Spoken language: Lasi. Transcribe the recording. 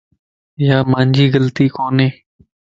ايا مانجي غلطي ڪون وي.